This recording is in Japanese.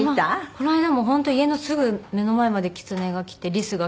この間も本当家のすぐ目の前までキツネが来てリスが来て。